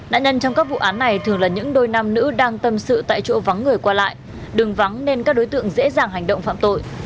nạn nhân trong các vụ án này thường là những đôi nam nữ đang tâm sự tại chỗ vắng người qua lại đường vắng nên các đối tượng dễ dàng hành động phạm tội